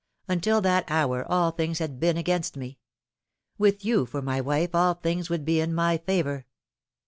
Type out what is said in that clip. Until that hour all things had been against me. With you for my wife all things would be in my favour.